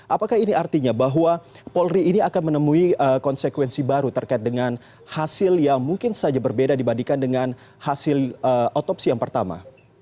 apakah ini artinya bahwa polri ini akan menemui konsekuensi baru terkait dengan hasil yang mungkin saja berbeda dibandingkan dengan hasil otopsi yang pertama